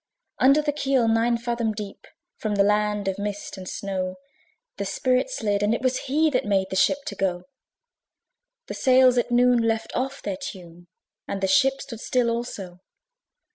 Under the keel nine fathom deep, From the land of mist and snow, The spirit slid: and it was he That made the ship to go. The sails at noon left off their tune, And the ship stood still also.